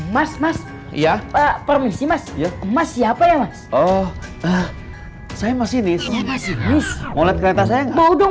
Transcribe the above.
mas mas iya pak permisi mas mas siapa ya mas oh saya masih nih mau lihat kereta saya mau dong